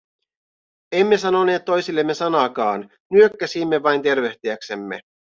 Emme sanoneet toisillemme sanaakaan, nyökkäsimme vain tervehtiäksemme.